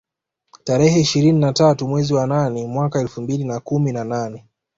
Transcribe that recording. Tarehe ishirini na tatu mwezi wa nane mwaka elfu mbili na kumi na nane